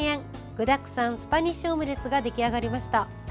具だくさんスパニッシュオムレツが出来上がりました。